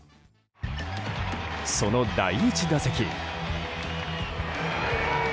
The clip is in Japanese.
その第１打席。